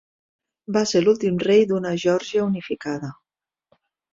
Va ser l'últim rei d'una Geòrgia unificada.